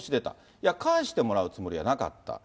いや、返してもらうつもりはなかった。